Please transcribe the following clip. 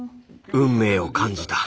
運命を感じた。